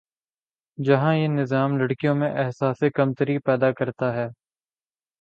جہاں یہ نظام لڑکیوں میں احساسِ کمتری پیدا کرتا ہے